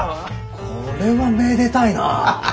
これはめでたいな！